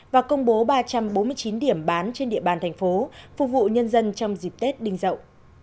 và công bố ba trăm bốn mươi chín điểm bán trên địa bàn thành phố phục vụ nhân dân trong dịp tết đinh dậu